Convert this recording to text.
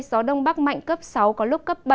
gió đông bắc mạnh cấp sáu có lúc cấp bảy